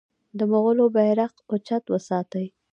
د مغولو بیرغ اوچت وساتي.